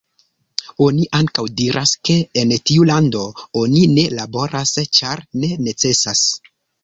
Oni ankaŭ diras, ke en tiu lando oni ne laboras, ĉar ne necesas.